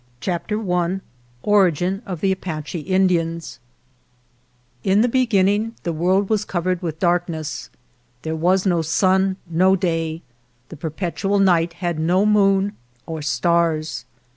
» GERONIMO CHAPTER I ORIGIN OF THE APACHE INDIANS IN the beginning the world was covered with darkness. There was no sun, no day. The perpetual night had no moon or stars.